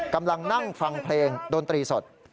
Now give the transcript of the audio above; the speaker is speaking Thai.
กำลังนั่งฟังเพลงดนตรีสด